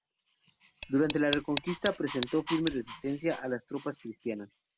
Durante la reconquista, presentó firme resistencia a las tropas cristianas.